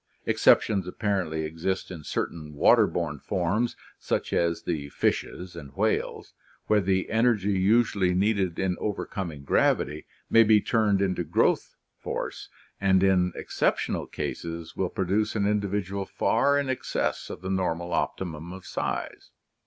Exceptions apparently exist in certain water borne forms such as the fishes and whales, where the energy usually needed in overcoming gravity may be turned into growth force and in exceptional cases will produce an individual far in excess of the normal optimum of size.